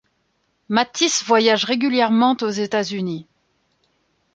Matisse voyage régulièrement aux États-Unis.